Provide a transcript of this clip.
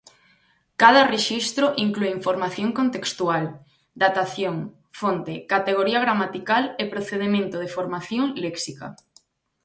Cada rexistro inclúe información contextual, datación, fonte, categoría gramatical e procedemento de formación léxica.